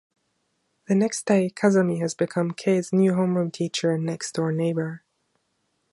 The next day, Kazami has become Kei's new homeroom teacher and next-door neighbor.